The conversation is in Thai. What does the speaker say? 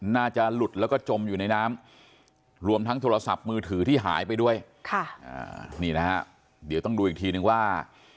น่าจะหลุดแล้วก็จมอยู่ในน้ำรวมทั้งโทรศัพท์มือถือที่หายไปด้วยค่ะอ่านี่นะฮะเดี๋ยวต้องดูอีกทีนึงว่า